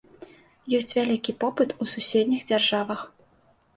Ёсць вялікі попыт у суседніх дзяржавах.